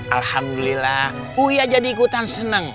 alhamdulillah uya jadi ikutan senang